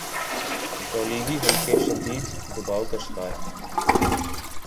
تولیگی حلقے شدید دباؤ کا شکارہیں۔